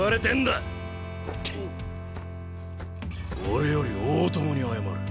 俺より大友に謝れ。